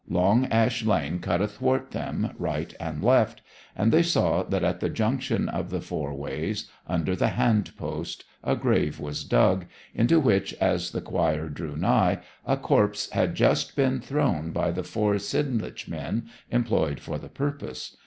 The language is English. Long Ash Lane cut athwart them, right and left; and they saw that at the junction of the four ways, under the hand post, a grave was dug, into which, as the choir drew nigh, a corpse had just been thrown by the four Sidlinch men employed for the purpose.